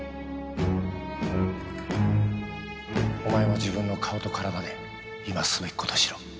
お前も自分の顔と体で今すべき事をしろ。